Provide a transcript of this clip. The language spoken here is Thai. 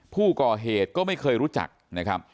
ผู้ก่อเหตุก็ไม่เคยรู้จักนะครับ